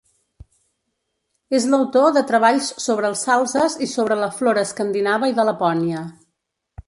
És l'autor de treballs sobre els salzes i sobre la flora escandinava i de Lapònia.